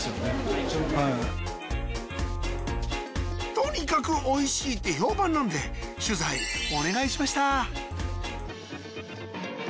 とにかくおいしいって評判なんで取材お願いしました